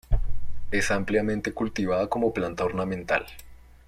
Es ampliamente cultivada como planta ornamental.